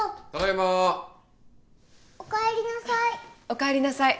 おかえりなさい。